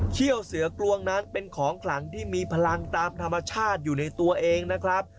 เชี่ยวเสือกลวงนั้นเป็นของขลังที่มีพลังตามธรรมชาติอยู่ในตัวเองนะครับ